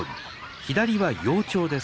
左は幼鳥です。